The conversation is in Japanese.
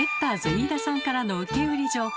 飯田さんからの受け売り情報。